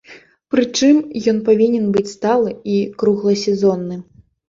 Прычым, ён павінен быць сталы і кругласезонны.